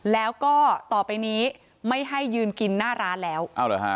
แล้วก็ต่อไปนี้ไม่ให้ยืนกินหน้าร้านแล้วเอาเหรอฮะ